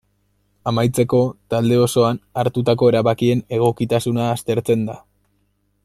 Amaitzeko, talde osoan, hartutako erabakien egokitasuna aztertzen da.